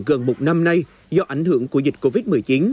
gần một năm nay do ảnh hưởng của dịch covid một mươi chín